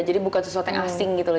jadi bukan sesuatu yang asing gitu loh